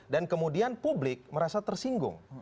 dan kemudian publik merasa tersinggung